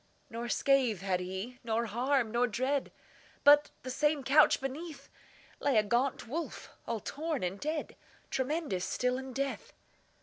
Nor scath had he, nor harm, nor dread, But, the same couch beneath, Lay a gaunt wolf, all torn and dead, Tremendous still in death.